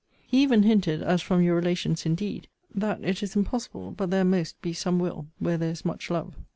He even hinted (as from your relations indeed) that it is impossible but there most be some will where there is much love.